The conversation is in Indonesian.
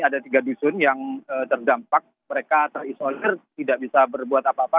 ada tiga dusun yang terdampak mereka terisolir tidak bisa berbuat apa apa